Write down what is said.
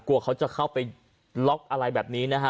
กลัวเขาจะเข้าไปล็อกอะไรแบบนี้นะฮะ